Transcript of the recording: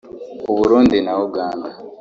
u Burundi na Uganda